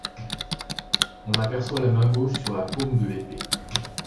On aperçoit la main gauche, sur la paume de l'épée.